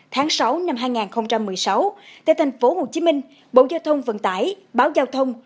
tháng sáu năm hai nghìn một mươi sáu tại thành phố hồ chí minh bộ giao thông vận tải báo giao thông